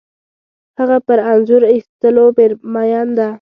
هغه پر انځور اخیستلو مین ده